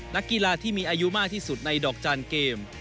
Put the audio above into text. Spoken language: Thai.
นักกีฬาที่มีอายุมากที่สุดในดอกจานเกม